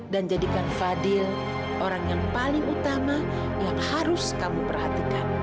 dan jadikan fadil orang yang paling utama yang harus kamu perhatikan